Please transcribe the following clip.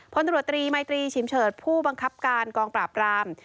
พลตรวจตรีมัยตรีชิมเฉิดผู้บังคับการกองปราบราม